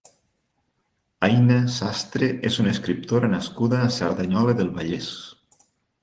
Aina Sastre és una escriptora nascuda a Cerdanyola del Vallès.